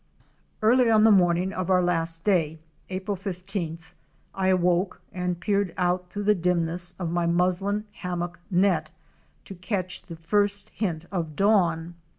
Early on the morning of our last day, April 15th, I awoke and peered out through the dimness of my muslin hammock net to catch the first hint of dawn.